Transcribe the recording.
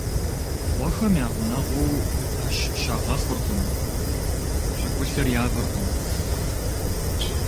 Къуэхэм я гъунэгъуу Ӏэщ щагъэхъуркъым, щӀыгулъыр явэркъым.